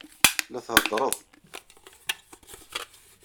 La theddṛeḍ.